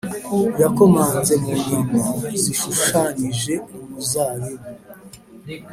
yakomanze mu nyama zashushanyije umuzabibu,